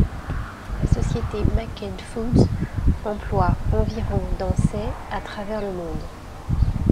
La société McCain Foods emploie environ dans ses à travers le monde.